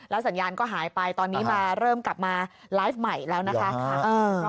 สัญญาณก็หายไปตอนนี้มาเริ่มกลับมาไลฟ์ใหม่แล้วนะคะ